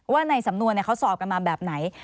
ว่าในสำนวนเขาสอบกันมาแบบไหน